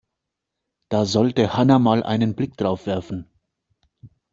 Da sollte Hanna mal einen Blick drauf werfen.